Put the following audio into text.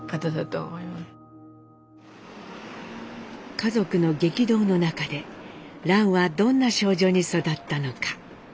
家族の激動の中で蘭はどんな少女に育ったのか。